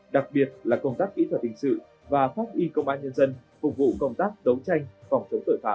đặc biệt là công tác kỹ thuật hình sự và pháp y công an nhân dân phục vụ công tác đấu tranh phòng chống tội phạm